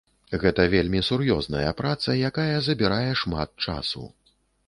Гэта вельмі сур'ёзная праца, якая забірае шмат часу.